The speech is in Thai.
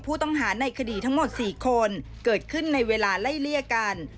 ผู้ต้องหาในคดีทั้งหมด๔คนเกิดขึ้นในเวลาไล่เลี่ยกัน